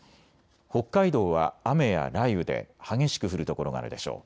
北海道は雨や雷雨で激しく降る所があるでしょう。